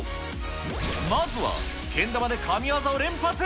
まずは、けん玉で神業を連発。